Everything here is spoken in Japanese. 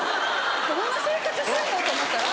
どんな生活してんのと思ったら。